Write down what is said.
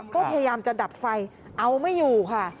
ก็พยายามจะดับไฟเอาไม่อยู่ค่ะ